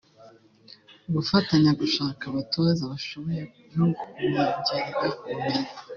gufatanya gushaka abatoza bashoboye no kubongerera ubumenyi